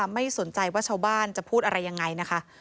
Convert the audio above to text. ไม่สนใจว่าชาวบ้านจะพูดอะไรยังไงนะคะ